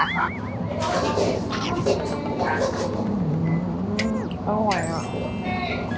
อืมอร่อยอะ